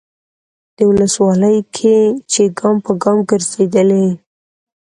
دې ولسوالۍ کې چې ګام به ګام ګرځېدلی،